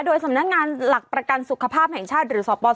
โดยสำนักงานหลักประกันสุขภาพแห่งชาติหรือสปส